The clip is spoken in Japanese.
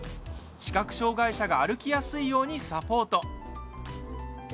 視覚障害者が歩きやすいようにサポート。